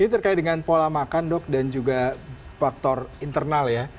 ini terkait dengan pola makan dok dan juga faktor internal ya